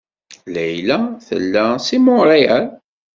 Layla tella seg Montreal.